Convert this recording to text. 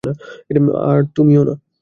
আর তুমিও না।